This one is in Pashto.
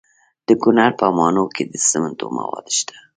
د کونړ په ماڼوګي کې د سمنټو مواد شته.